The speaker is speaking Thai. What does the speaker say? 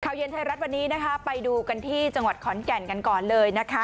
เย็นไทยรัฐวันนี้นะคะไปดูกันที่จังหวัดขอนแก่นกันก่อนเลยนะคะ